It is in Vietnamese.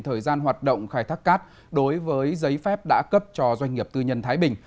thời gian hoạt động khai thác cát đối với giấy phép đã cấp cho doanh nghiệp tư nhân thái bình